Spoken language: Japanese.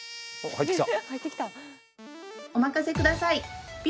入ってきた。